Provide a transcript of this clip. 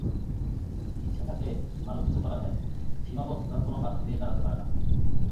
ইচ্ছে থাকলে ভালো কিছু করা যায়, সীমাবদ্ধতা কোনো বাধা হয়ে দাঁড়াতে পারে না।